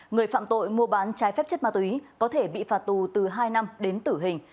người phạm tội mua bán trái phép chất ma túy có thể bị phạt tù từ hai năm đến tử hình